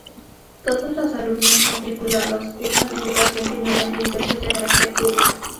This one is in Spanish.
Todos los alumnos matriculados cursan Educación Primaria en centros de carácter público.